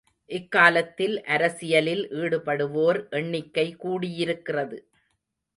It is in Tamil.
இக்காலத்தில் அரசியலில் ஈடுபடுவோர் எண்ணிக்கை கூடியிருக்கிறது.